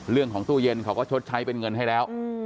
เรื่องของตู้เย็นเขาก็ชดใช้เป็นเงินให้แล้ว